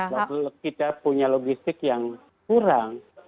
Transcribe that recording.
kalau kita punya logistik yang kurang